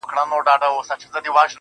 موږه غله نه يوو چي د غلو طرفدارې به کوو,